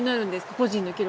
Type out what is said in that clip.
個人の記録。